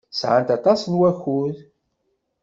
Sɛant aṭas n wakud.